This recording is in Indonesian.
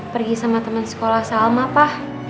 pergi sama teman sekolah salma pak